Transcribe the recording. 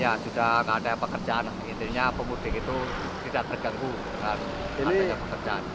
ya sudah tidak ada pekerjaan intinya pemudik itu tidak terganggu dengan adanya pekerjaan